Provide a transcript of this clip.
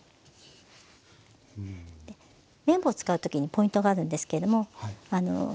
麺棒使うときにポイントがあるんですけれども。